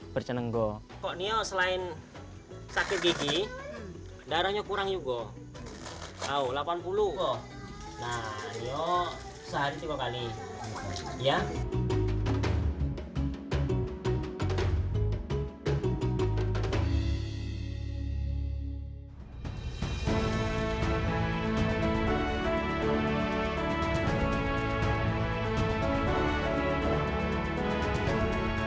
berceneng goh kok nio selain sakit gigi darahnya kurang juga tahu delapan puluh oh nah yo sehari dua kali ya